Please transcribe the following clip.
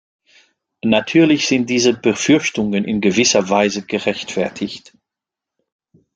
Natürlich sind diese Befürchtungen in gewisser Weise gerechtfertigt.